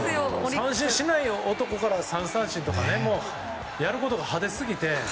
三振しない男から３三振とかやることが派手すぎて。